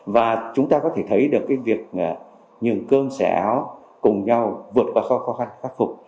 và chúng ta có thể thấy được cái việc nhường cơm xẻ áo cùng nhau vượt qua khó khăn khắc phục